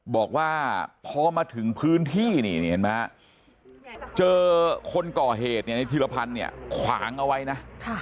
บอกว่าพอมาถึงพื้นที่นี่เห็นไหมฮะเจอคนก่อเหตุเนี่ยในธีรพันธ์เนี่ยขวางเอาไว้นะ